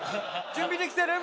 準備できてる？